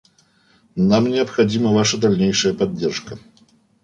Нам необходима ваша дальнейшая поддержка.